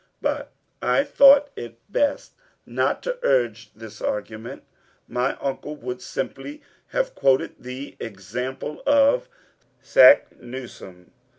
But I thought it best not to urge this argument. My uncle would simply have quoted the example of Saknussemm.